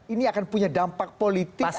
ini akan punya dampak politik